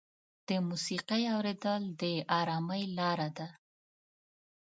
د موسیقۍ اورېدل د ارامۍ لاره ده.